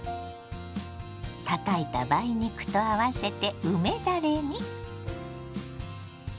たたいた梅肉と合わせて梅だれに。